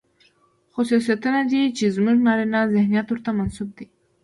خصوصيتونه دي، چې زموږ نارينه ذهنيت ورته منسوب کړي دي.